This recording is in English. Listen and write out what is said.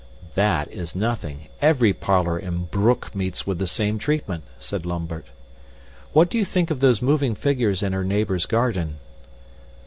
"That is nothing. Every parlor in Broek meets with the same treatment," said Lambert. "What do you think of those moving figures in her neighbor's garden?"